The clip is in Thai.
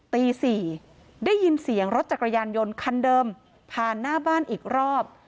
ตี๔ได้ยินเสียงรถจักรยานยนต์คันเดิมผ่านหน้าบ้านอีกรอบ